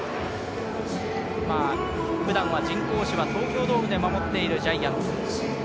普段は人工芝、東京ドームで守っているジャイアンツ。